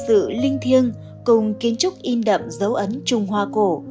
từ lâu nhờ sự linh thiêng cùng kiến trúc in đậm dấu ấn trùng hoa cổ